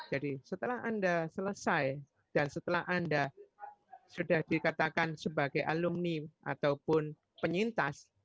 jadi setelah anda selesai dan setelah anda sudah dikatakan sebagai alumni ataupun penyintas